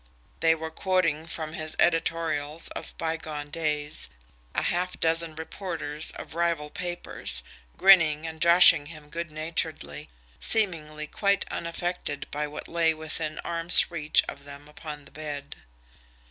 They were quoting from his editorials of bygone days, a half dozen reporters of rival papers, grinning and joshing him good naturedly, seemingly quite unaffected by what lay within arm's reach of them upon the bed.